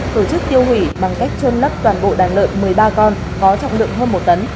tổ chức tiêu hủy bằng cách trôn lấp toàn bộ đàn lợn một mươi ba con có trọng lượng hơn một tấn